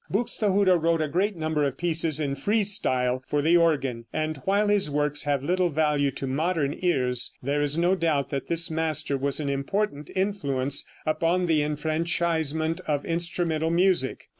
Buxtehude wrote a great number of pieces in free style for the organ, and, while his works have little value to modern ears, there is no doubt that this master was an important influence upon the enfranchisement of instrumental music.